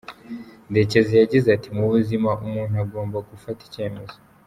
Ndekezi yagize ati ”Mu buzima umuntu aba agomba gufata icyemezo.